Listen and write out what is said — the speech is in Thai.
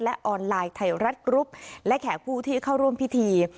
และออนไลน์ไทยรัฐกรุ๊ปและแขกผู้ที่เข้าร่วมพิธี